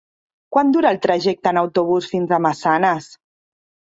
Quant dura el trajecte en autobús fins a Massanes?